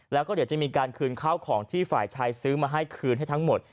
แล้วก็เดี๋ยวจะมีการคืนข้าวของที่ฝ่ายชายซื้อมาให้คืนให้ทั้งหมด